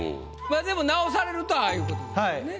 まあでも直されるとああいうことですよね。